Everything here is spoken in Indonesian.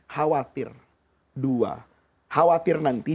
khawatir dua khawatir nanti